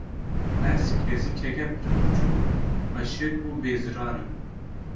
Ez kêzikeke pir biçûk, xweşik û bêzirar im.